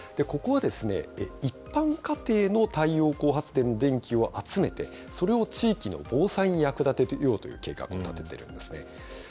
ここはですね、一般家庭の太陽光発電電気を集めて、それを地域の防災に役立てようという計画を立ててるんですね。